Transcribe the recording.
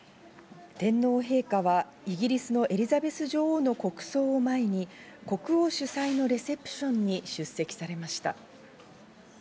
天皇陛下はイギリスのエリザベス女王の国葬を前に国王主催のレセプションに出席されました。